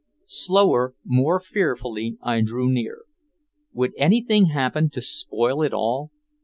Slower, more fearfully, I drew near. Would anything happen to spoil it all?